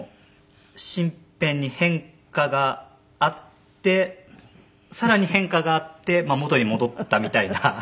身辺に変化があって更に変化があって元に戻ったみたいな。